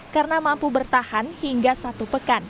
karena mampu bertahan hingga satu pekan